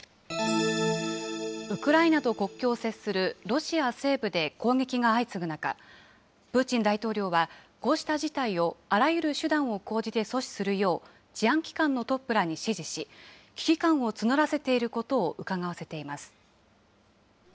ウクライナと国境を接するロシア西部で攻撃が相次ぐ中、プーチン大統領は、こうした事態をあらゆる手段を講じて阻止するよう、治安機関のトップらに指示し、危機感を募らせていることをうかがわせています。